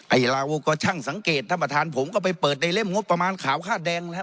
ไอ้เราก็ช่างสังเกตท่านประธานผมก็ไปเปิดในเล่มงบประมาณขาวค่าแดงนะฮะ